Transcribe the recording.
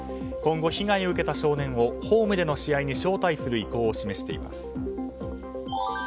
今後、被害を受けた少年をホームでの試合に招待する意向を示しています。